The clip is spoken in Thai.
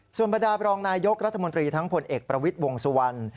ส่วนบรรดาบรองนายยกรัฐมนตรีทั้งผลเอกประวิทย์วงสุวรรณ